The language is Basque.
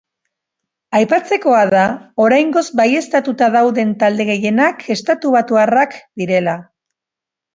Aipatzekoa da oraingoz baieztatuta dauden talde gehienak estatubatuarrak direla.